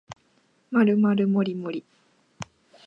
まるまるもりもり